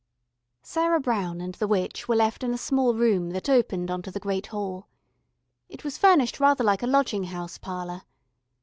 Sarah Brown and the witch were left in a small room that opened on to the great hall. It was furnished rather like a lodging house parlour.